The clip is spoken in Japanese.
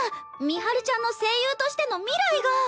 美晴ちゃんの声優としての未来が。